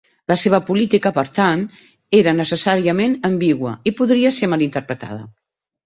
La seva política, per tant, era necessàriament ambigua, i podria ser mal interpretada.